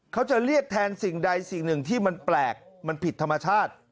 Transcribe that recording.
เขาจะเรียกแทนสิ่งใดสิ่งหนึ่งที่มันแปลกมันผิดธรรมชาติ